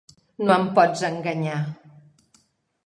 No em pots enganyar!